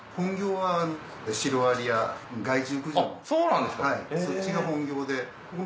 はいそっちが本業で。